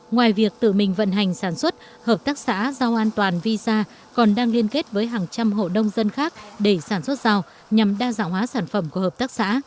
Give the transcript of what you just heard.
ngoài việc tự mình vận hành sản xuất hợp tác xã rau an toàn visa còn đang liên kết với hàng trăm hộ đông dân khác để sản xuất rau nhằm đa dạng hóa sản phẩm của hợp tác xã